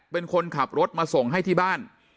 เป็นคนขับรถมาส่งให้ที่บ้าน